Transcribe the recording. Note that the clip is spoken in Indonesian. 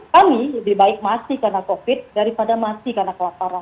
kami lebih baik mati karena covid daripada mati karena kelaparan